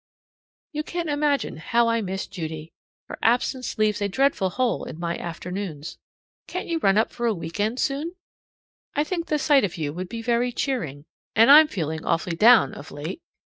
You can't imagine how I miss Judy. Her absence leaves a dreadful hole in my afternoons. Can't you run up for a week end soon? I think the sight of you would be very cheering, and I'm feeling awfully down of late.